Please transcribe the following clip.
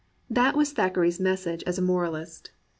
That was Thackeray's message as moralist.